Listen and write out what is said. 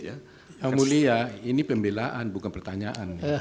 yang mulia ini pembelaan bukan pertanyaan